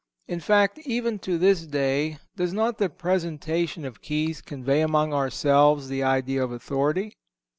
In fact, even to this day does not the presentation of keys convey among ourselves the idea of authority?